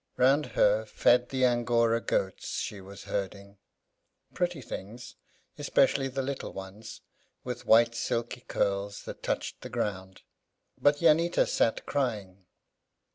Round her fed the Angora goats she was herding; pretty things, especially the little ones, with white silky curls that touched the ground. But Jannita sat crying.